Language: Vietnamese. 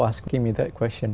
một ngày nghỉ lễ thường